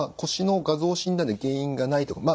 腰の画像診断で原因がないと。